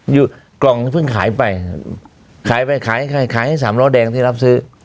อยู่กล่องเพิ่งขายไปขายไปขายขายให้สามล้อแดงที่รับซื้อ